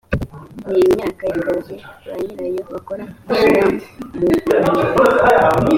n imyanya y akazi ba nyirayo bakora bashyira mu